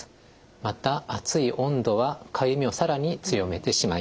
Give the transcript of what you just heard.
また熱い温度はかゆみを更に強めてしまいます。